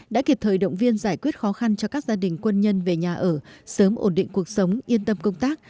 đã kịp thời động viên giải quyết khó khăn cho các gia đình quân nhân về nhà ở sớm ổn định cuộc sống yên tâm công tác